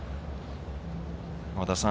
和田さん